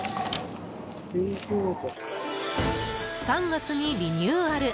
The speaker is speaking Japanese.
３月にリニューアル。